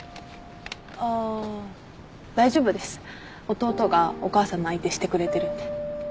弟がお母さんの相手してくれてるんで。